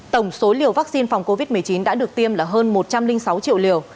tổng số liều vaccine phòng covid một mươi chín đã được tiêm là hơn một trăm linh sáu triệu liều